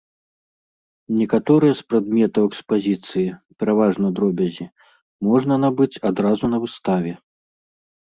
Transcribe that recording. Некаторыя з прадметаў экспазіцыі, пераважна дробязі, можна набыць адразу на выставе.